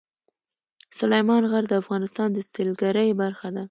سلیمان غر د افغانستان د سیلګرۍ برخه ده.